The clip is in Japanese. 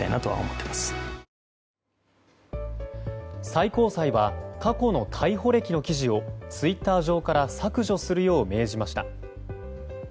最高裁は過去の逮捕歴の記事をツイッター上から削除するよう命じました。